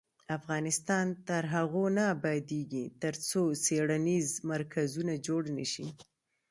افغانستان تر هغو نه ابادیږي، ترڅو څیړنیز مرکزونه جوړ نشي.